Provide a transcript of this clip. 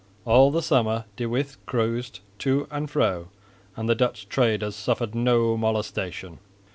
All the summer De With cruised to and fro and the Dutch traders suffered no molestation.